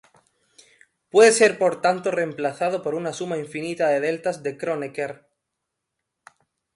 Puede ser por tanto reemplazado por una suma infinita de deltas de Kronecker.